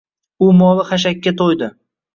U moli xashakka to‘ydi.